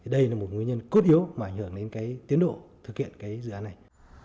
đây là một nguyên nhân cốt yếu mà ảnh hưởng đến tiến độ thực hiện cái dự án này